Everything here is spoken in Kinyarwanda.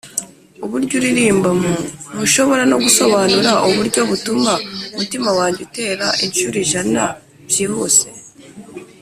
uburyo uririmba mmhh, ntushobora no gusobanura uburyo butuma umutima wanjye utera inshuro ijana byihuse.